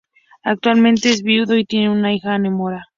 Actualmente es viudo y tiene una hija, Anne Morea.